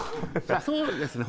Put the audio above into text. そうですね。